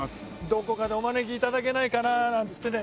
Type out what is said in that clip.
どこかでお招き頂けないかななんつってね。